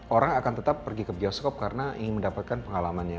orang akan tetap pergi ke bioskop karena ingin mendapatkan pengalamannya